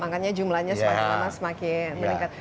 makanya jumlahnya semakin lama semakin meningkat